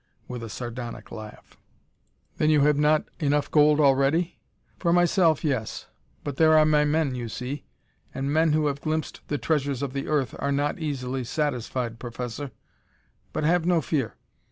with a sardonic laugh. "Then have you not enough gold already?" "For myself, yes. But there are my men, you see and men who have glimpsed the treasures of the earth are not easily satisfied, Professor. But have no fear.